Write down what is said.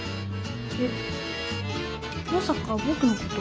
えっまさかぼくのこと。